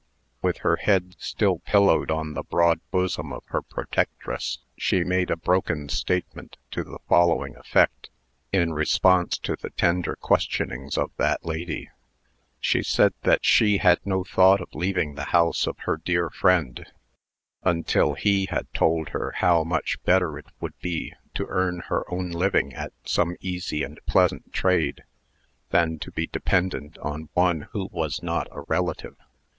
With her head still pillowed on the broad bosom of her protectress, she made a broken statement to the following effect, in response to the tender questionings of that lady: She said that she had no thought of leaving the house of her dear friend, until he had told her how much better it would be to earn her own living at some easy and pleasant trade, than to be dependent on one who was not a relative.